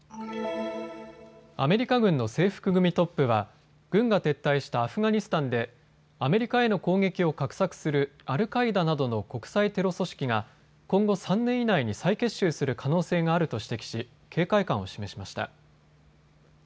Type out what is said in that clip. アメリカ軍の制服組トップは軍が撤退したアフガニスタンでアメリカへの攻撃を画策するアルカイダなどの国際テロ組織が今後３年以内に再結集する可能性があると指摘し、警戒感を示しました。